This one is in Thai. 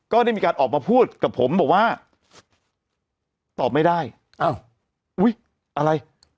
ก็ได้มีการออกมาพูดกับผมบอกว่าตอบไม่ได้อ้าวอุ้ยอะไร